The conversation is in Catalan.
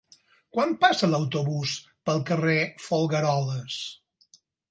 Quan passa l'autobús pel carrer Folgueroles?